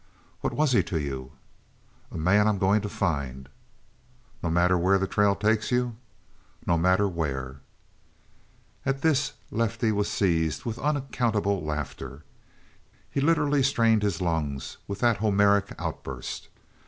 "What was he to you?" "A man I'm going to find." "No matter where the trail takes you?" "No matter where." At this Lefty was seized with unaccountable laughter. He literally strained his lungs with that Homeric outburst.